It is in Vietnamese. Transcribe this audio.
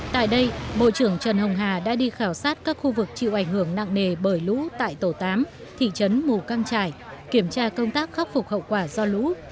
tại đây bộ trưởng trần hồng hà đã đi khảo sát các khu vực chịu ảnh hưởng nặng nề bởi lũ tại tổ tám thị trấn mù căng trải kiểm tra công tác khắc phục hậu quả do lũ